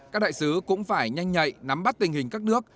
các đại sứ cũng phải nhanh nhạy nắm bắt tình hình các nước